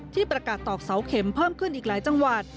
ที่ประกาศตอกเสาเข็มเพิ่มขึ้นอีกหลายจังหวัด